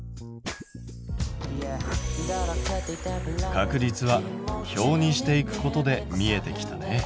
確率は表にしていくことで見えてきたね。